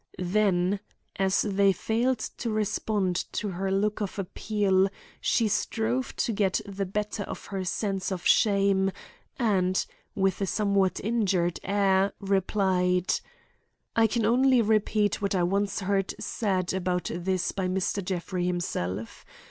Then, as they failed to respond to her look of appeal, she strove to get the better of her sense of shame and, with a somewhat injured air, replied: "I can only repeat what I once heard said about this by Mr. Jeffrey himself.